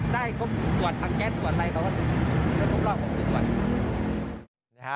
แล้วทุกรอบก็ตรวจ